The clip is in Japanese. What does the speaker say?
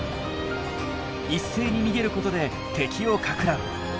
一斉に逃げることで敵をかく乱。